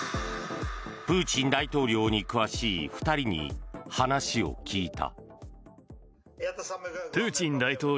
プーチン大統領に詳しい２人に話を聞いた。